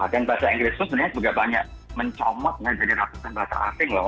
dan bahasa inggris itu sebenarnya juga banyak mencomot jadi rapetan bahasa asing loh